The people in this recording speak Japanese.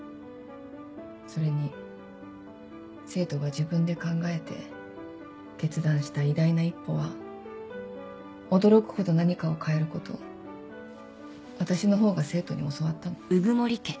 それに生徒が自分で考えて決断した偉大な一歩は驚くほど何かを変えることを私の方が生徒に教わったの。